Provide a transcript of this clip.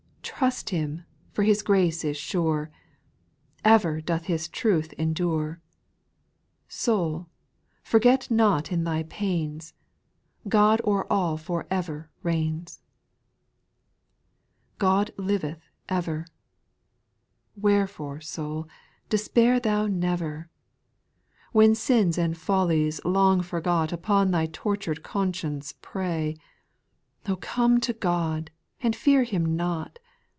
Trust Him, for His grace is sure, Ever doth His truth endure. Soul, forget not in thy pains, God o'er all for ever reigns ! 5. God liveth ever I Wherefore, soul, despair thou never I When sins and follies long forgot Upon thy tortured conscience prey, O come to God, and fear Him not.